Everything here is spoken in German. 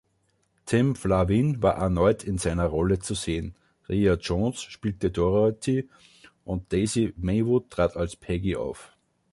Tim Flavin war erneut in seiner Rolle zu sehen, Ria Jones spielte Dorothy und Daisy Maywood trat als Peggy auf.